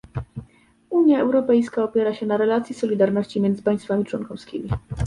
Unia Europejska opiera się na relacji solidarności między państwami członkowskimi